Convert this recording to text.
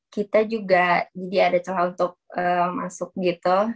kita juga jadi ada celah untuk masuk gitu